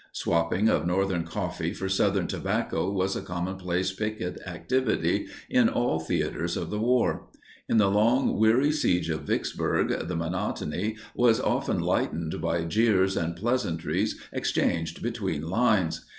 Swapping of Northern coffee for Southern tobacco was a commonplace picket activity in all theaters of the war. In the long, weary siege of Vicksburg, the monotony was often lightened by jeers and pleasantries exchanged between lines.